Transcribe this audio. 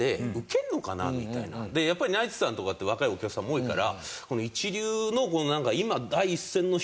やっぱりナイツさんとかって若いお客さんも多いから。